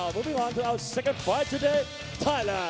โปรดติดตามตอนต่อไป